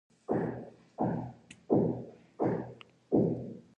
بزګران خپل فصلونه له لاسه ورکوي.